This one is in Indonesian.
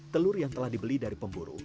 telur yang telah dibeli dari pemburu